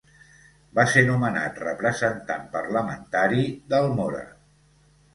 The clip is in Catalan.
Va ser nomenat representant parlamentari d'Almora.